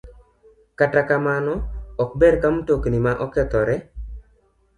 Kata kamano ok ber ka mtokni ma okethore